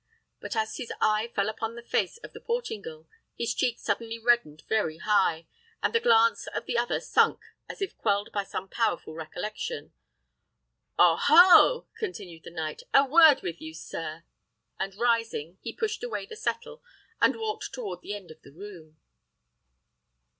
But as his eye fell upon the face of the Portingal, his cheek suddenly reddened very high, and the glance of the other sunk as if quelled by some powerful recollection. "Oh, ho!" continued the knight, "a word with you, sir;" and rising, he pushed away the settle, and walked towards the end of the room.